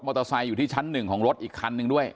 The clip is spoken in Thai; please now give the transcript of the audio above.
เตอร์ไซค์อยู่ที่ชั้นหนึ่งของรถอีกคันหนึ่งด้วย